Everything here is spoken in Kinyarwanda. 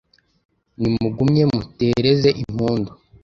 nimugumye mutereze impundu